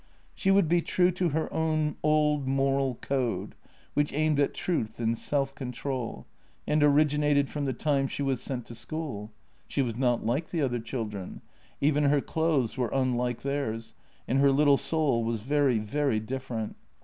She would be true to her own old moral code, which aimed at truth and self control, and originated from the time she was sent to school. She was not like the other children; even her clothes were unlike theirs, and her little soul was very, very different.